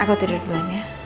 aku tidur duluan ya